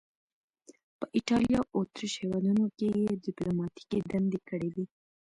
په ایټالیا او اتریش دواړو هیوادونو کې یې دیپلوماتیکې دندې کړې وې.